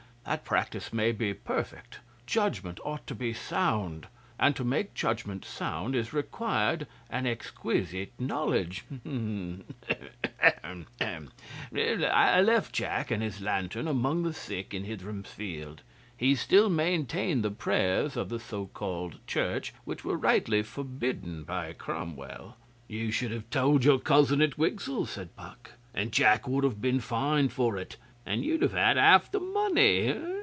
That practice may be perfect, judgment ought to be sound, and to make judgment sound is required an exquisite knowledge. Ahem! I left Jack and his lantern among the sick in Hitheram's field. He still maintained the prayers of the so called Church, which were rightly forbidden by Cromwell.' 'You should have told your cousin at Wigsell,' said Puck, 'and Jack would have been fined for it, and you'd have had half the money.